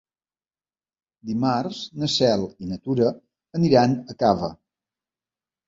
Dimarts na Cel i na Tura aniran a Cava.